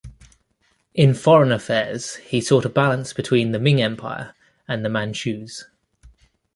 In foreign affairs he sought a balance between the Ming Empire and the Manchus.